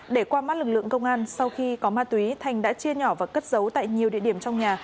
để qua mắt lực lượng công an sau khi có ma túy thành đã chia nhỏ và cất giấu tại nhiều địa điểm trong nhà